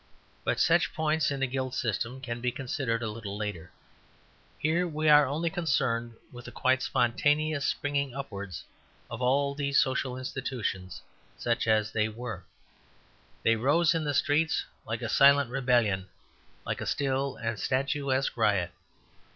But such points in the Guild System can be considered a little later; here we are only concerned with the quite spontaneous springing upwards of all these social institutions, such as they were. They rose in the streets like a silent rebellion; like a still and statuesque riot.